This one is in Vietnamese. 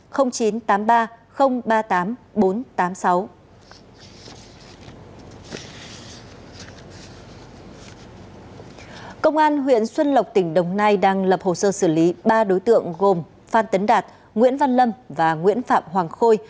công an huyện xuân lộc tỉnh đồng nai đang lập hồ sơ xử lý ba đối tượng gồm phan tấn đạt nguyễn văn lâm và nguyễn phạm hoàng khôi